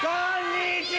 こんにちは！